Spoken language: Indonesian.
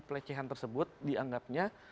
pelecehan tersebut dianggapnya